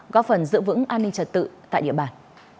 góp phần giữ vững an ninh trật tự tại địa bàn